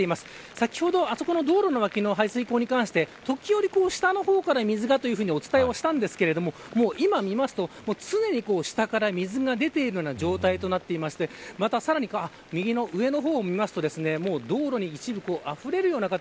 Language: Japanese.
先ほど、あそこの道路の脇の排水溝に関して時折、下の方から水がとお伝えしたんですが今見ますと、常に下から水が出ているような状態となっていましてまた、さらに右の上の方を見ると道路に一部あふれるような形。